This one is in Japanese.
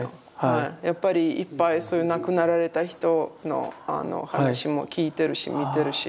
やっぱりいっぱいそういう亡くなられた人の話も聞いてるし見てるし。